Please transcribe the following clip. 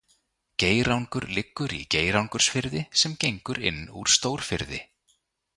Geirangur liggur í Geirangursfirði sem gengur inn úr Stórfirði.